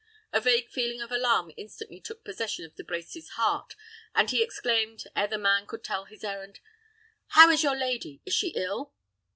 A vague feeling of alarm instantly took possession of De Brecy's heart, and he exclaimed, ere the man could tell his errand, "How is your lady? Is she ill?"